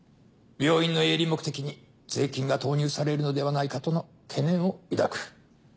病院の営利目的に税金が投入されるのではないかとの懸念を抱く。